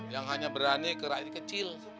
yang hanya berani kerak di kecil